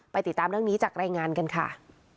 ติดตามเรื่องนี้จากรายงานกันค่ะ